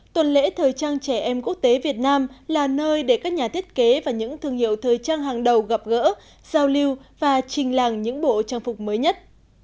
tuần lễ thời trang trẻ em quốc tế việt nam là nơi để các nhà thiết kế và những thương hiệu thời trang hàng đầu gặp gỡ giao lưu và trình làng những bộ trang phục mới nhất